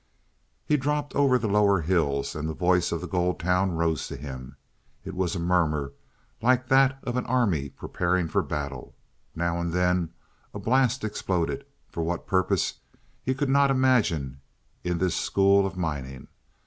He dropped over the lower hills, and the voice of the gold town rose to him. It was a murmur like that of an army preparing for battle. Now and then a blast exploded, for what purpose he could not imagine in this school of mining.